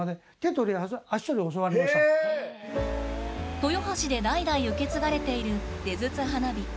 豊橋で代々受け継がれている手筒花火。